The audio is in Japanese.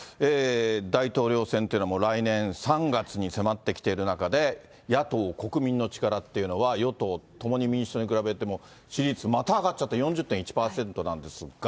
大統領選っていうのはもう、来年３月に迫ってきている中で、野党・国民の力っていうのは、与党、共に民主党と比べても支持率また上がっちゃって、４０．１％なんですが。